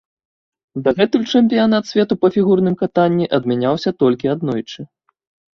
Дагэтуль чэмпіянат свету па фігурным катанні адмяняўся толькі аднойчы.